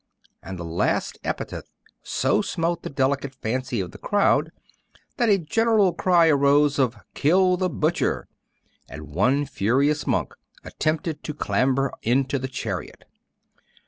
And the last epithet so smote the delicate fancy of the crowd, that a general cry arose of 'Kill the butcher!' and one furious monk attempted to clamber into the chariot.